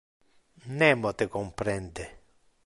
Nemo te comprende.